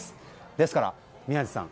ですから、宮司さん